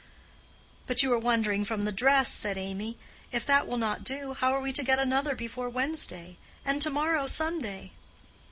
"But you are wandering from the dress," said Amy. "If that will not do, how are we to get another before Wednesday? and to morrow Sunday?"